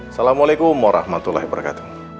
assalamualaikum warahmatullahi wabarakatuh